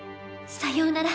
さようなら！